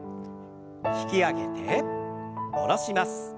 引き上げて下ろします。